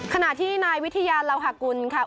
ขณะที่นายวิทยาลาวหากุลค่ะ